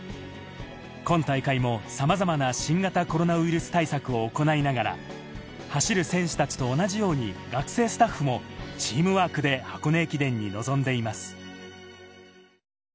今大会もさまざまな新型コロナウイルス対策を行いながら、走る選手たちと同じように学生スタッフもチームワークで箱根駅伝に臨んでいます。